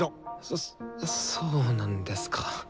そそうなんですか。